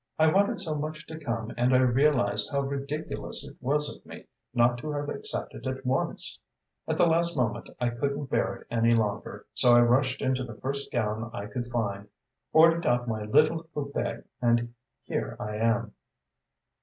I wanted so much to come and I realised how ridiculous it was of me not to have accepted at once. At the last moment I couldn't bear it any longer, so I rushed into the first gown I could find, ordered out my little coupé and here I am."